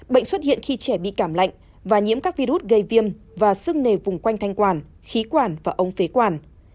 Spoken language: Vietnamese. bệnh xuất hiện khi trẻ bị cảm lạnh và nhiễm các virus gây viêm và sưng nề vùng quanh thanh quản khí quản và ông phế quản